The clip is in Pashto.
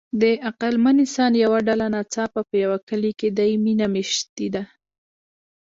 د عقلمن انسان یوه ډله ناڅاپه په یوه کلي کې دایمي نه مېشتېده.